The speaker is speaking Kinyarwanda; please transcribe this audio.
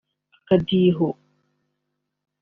Akadiho